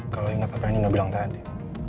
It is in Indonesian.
kalau ingat apa yang anda bilang tadi